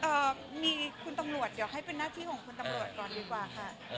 เอ่อมีคุณตำรวจเดี๋ยวให้เป็นหน้าที่ของคุณตำรวจก่อนดีกว่าค่ะ